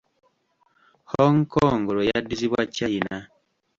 Hong Kong lwe yaddizibwa China.